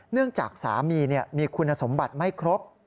จากสามีมีคุณสมบัติไม่ครบ